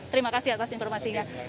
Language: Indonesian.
terima kasih atas informasi ya